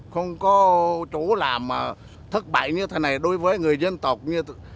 không có chỗ làm mà thất bại như thế này đối với người dân tộc như thế này